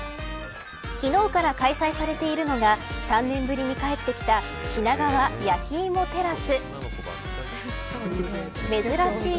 昨日から開催されているのが３年ぶりに帰ってきた品川やきいもテラス。